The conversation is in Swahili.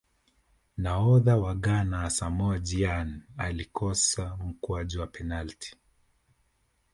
nahodha wa ghana asamoah gyan alikosa mkwaju wa penati